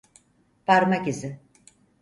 Parmak izi.